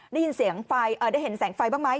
ได้ยินเสียงไฟได้เห็นแสงไฟบ้างไหม